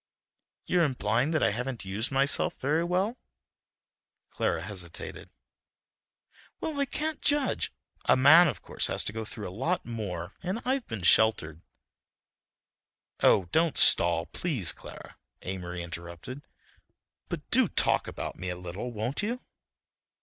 "You're implying that I haven't used myself very well?" Clara hesitated. "Well, I can't judge. A man, of course, has to go through a lot more, and I've been sheltered." "Oh, don't stall, please, Clara," Amory interrupted; "but do talk about me a little, won't you?"